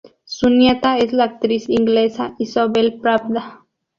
Su nieta es la actriz inglesa Isobel Pravda.